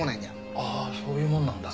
ああそういうもんなんだ。